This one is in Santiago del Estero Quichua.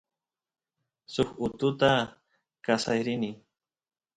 suk ututut kasay rini